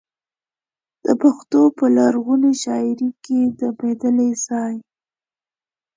د پښتو په لرغونې شاعرۍ کې د بدلې ځای.